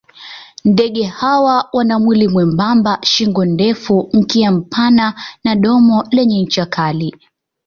Ndege hawa wana mwili mwembamba, shingo ndefu, mkia mpana na domo lenye ncha kali.